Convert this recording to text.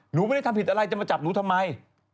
หนูไม่ได้ทำผิดอะไรจะมาจับหนูทำไม